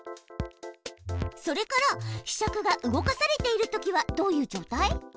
それからひしゃくが動かされているときはどういう状態？